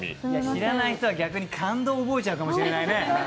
知らない人は逆に感動を覚えちゃうかもしれないね。